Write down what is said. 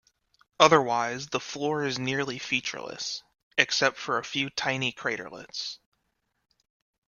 Otherwise the floor is nearly featureless, except for a few tiny craterlets.